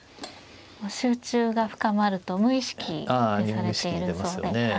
もう集中が深まると無意識にされているそうで。